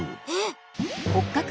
えっ？